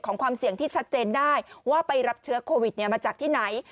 ความเสี่ยงที่ชัดเจนได้ว่าไปรับเชื้อโควิดมาจากที่ไหน